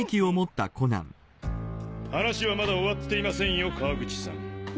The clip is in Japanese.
話はまだ終わっていませんよ川口さん。